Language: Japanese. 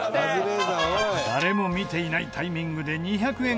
誰も見ていないタイミングで２００円